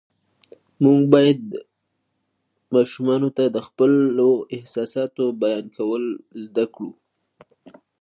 موږ باید ماشومانو ته د خپلو احساساتو بیان کول زده کړو